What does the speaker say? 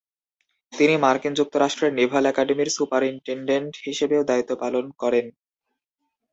তিনি মার্কিন যুক্তরাষ্ট্রের নেভাল একাডেমির সুপারিনটেনডেন্ট হিসেবেও দায়িত্ব পালন করেন।